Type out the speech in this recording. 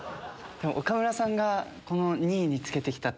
岡村さんが２位につけてきたのは。